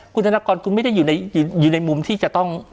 คุณธนกรคุณไม่ได้อยู่ในมุมที่จะต้อง